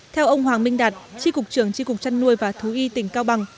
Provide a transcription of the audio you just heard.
theo ông hoàng minh đạt tri cục trường tri cục trăn nuôi và thú y tỉnh cao bằng